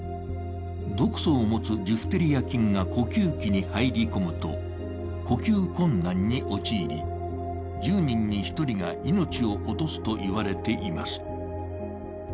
毒素を持つジフテリア菌が呼吸器に入り込むと呼吸困難に陥り１０人に１人が命を落とすと言われています。